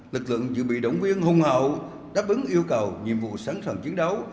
lực lượng dự bị động viên hùng hậu đáp ứng yêu cầu nhiệm vụ sẵn sàng chiến đấu